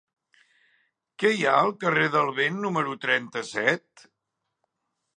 Què hi ha al carrer del Vent número trenta-set?